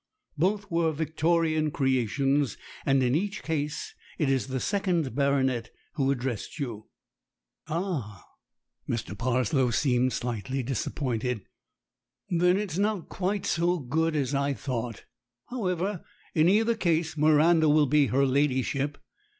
Both were Victorian creations, and in each case it is the second baronet who addressed you." "Ah!" Mr. Parslow seemed slightly disappointed. "Then it's not quite so good as I thought. However, in either case, Miranda will be her ladyship.